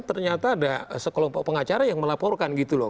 ternyata ada sekelompok pengacara yang melaporkan gitu loh